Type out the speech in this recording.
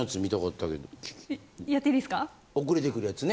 遅れてくるやつね